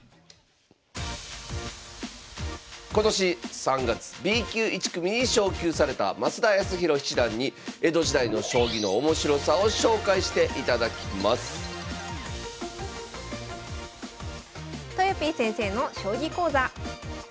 今年３月Ｂ級１組に昇級された増田康宏七段に江戸時代の将棋の面白さを紹介していただきますとよぴー先生の将棋講座。